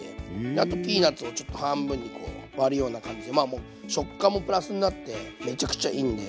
あとピーナツをちょっと半分にこう割るような感じでまあ食感もプラスになってめちゃくちゃいいんで。